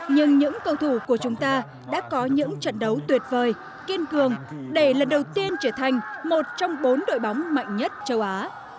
nhưng những cầu thủ của chúng ta đã có những trận đấu tuyệt vời kiên cường để lần đầu tiên trở thành một trong bốn đội bóng mạnh nhất châu á